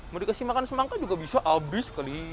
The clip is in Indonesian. mau dikasih makan semangka juga bisa habis kali